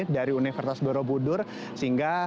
dari universitas borobudur sehingga